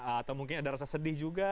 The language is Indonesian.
atau mungkin ada rasa sedih juga